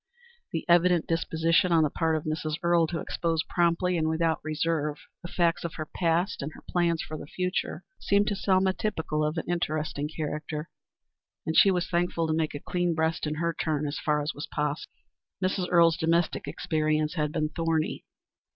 The evident disposition on the part of Mrs. Earle to expose promptly and without reserve the facts of her past and her plans for the future seemed to Selma typical of an interesting character, and she was thankful to make a clean breast in her turn as far as was possible. Mrs. Earle's domestic experience had been thorny.